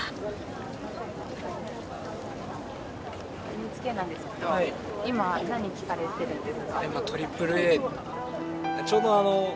ＮＨＫなんですけどいま何聴かれてるんですか？